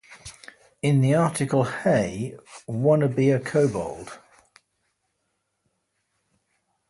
In the article Hey, Wanna Be a Kobold?